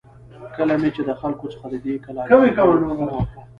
کله مې چې د خلکو څخه د دې کلا گانو په اړوند پوښتنه وکړه،